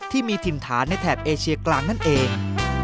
ที่มีถิ่นฐานในแถบเอเชียกลางนั่นเอง